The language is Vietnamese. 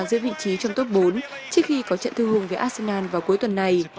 giữ vị trí trong tốt bốn trước khi có trận thư hùng với arsenal vào cuối tuần này